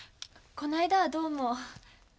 この間はどうも。